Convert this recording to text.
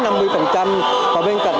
và bên cạnh đó có một số hàng